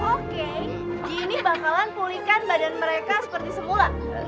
oke ini bakalan pulihkan badan mereka seperti semula